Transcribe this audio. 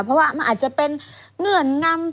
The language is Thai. เพราะว่ามันอาจจะเป็นเงื่อนงำ